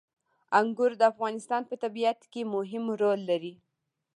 انګور د افغانستان په طبیعت کې مهم رول لري.